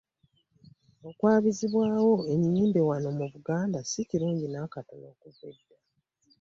Okwabizaawi ennyimbe wano mu Buganda si kirungi n'akatono okuva edda.